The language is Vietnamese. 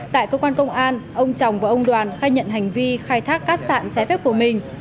tại cơ quan công an ông tròng và ông đoàn khai nhận hành vi khai thác cát sạn trái phép của mình